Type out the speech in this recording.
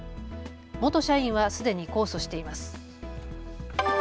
元社員はすでに控訴しています。